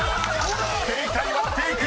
［正解はフェイク！